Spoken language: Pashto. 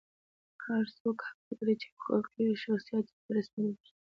هر څوک حق لري چې حقوقي شخصیت یې په رسمیت وپېژندل شي.